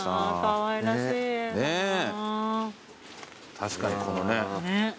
確かにこのね